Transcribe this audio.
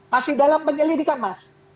masih dalam penyelidikan mas